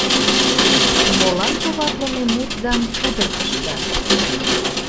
Молан товатлыме мутдам пудыртышда?